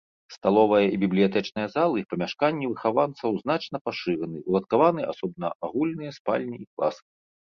Сталовая і бібліятэчная залы, памяшканні выхаванцаў значна пашыраны, уладкаваны асобна агульныя спальні і класы.